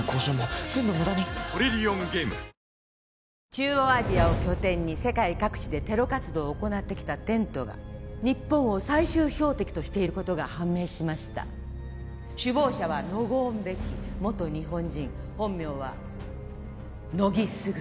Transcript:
中央アジアを拠点に世界各地でテロ活動を行ってきたテントが日本を最終標的としていることが判明しました首謀者はノゴーン・ベキ元日本人本名は乃木卓